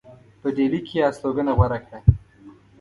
په ډهلي کې یې هستوګنه غوره کړه.